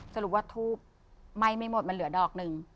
สรุปว่าทูบไหม้ไม่หมดมันเหลือดอกหนึ่ง